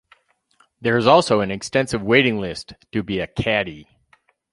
There is also an extensive waiting list to be a caddy.